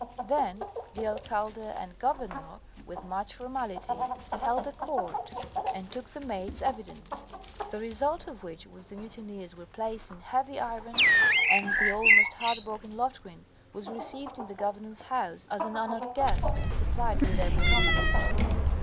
Then the Alcalde and Governor, with much formality, held a court, and took the mate's evidence; the result of which was the mutineers were placed in heavy irons, and the almost heart broken Loftgreen was received in the Governor's house as an honoured guest and supplied with every comfort.